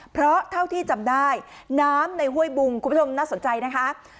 เพราะเท่าที่จำได้น้ำในห้วยบุงคุณผู้ชมน่าสนใจนะคะ